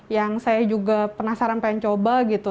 yang saya juga penasaran pengen coba gitu